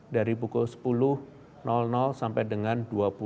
dari pukul sepuluh sampai dengan dua puluh